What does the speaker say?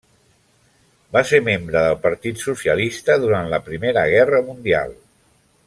Va ser membre del Partit Socialista durant la Primera Guerra Mundial.